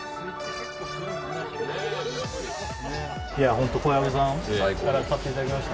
本当、小籔さんに買っていただきました。